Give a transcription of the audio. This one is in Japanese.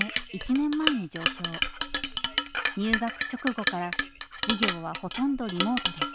入学直後から授業はほとんどリモートです。